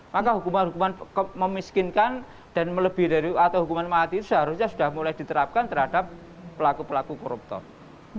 maka hukuman hukuman memiskinkan dan melebihi dari atau hukuman mati itu seharusnya sudah mulai diterapkan terhadap pelaku pelaku koruptor